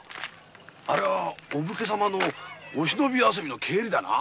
あれはお武家のお忍び遊びの帰りだな。